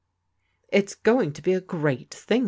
" It's going to be a great thing.